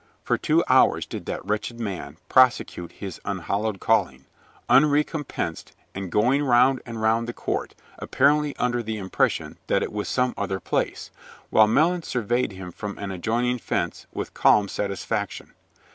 For two hours did that wretched man prosecute his unhallowed calling, unrecompensed, and going round and round the court, apparently under the impression that it was some other place, while Melons surveyed him from an adjoining fence with calm satisfaction.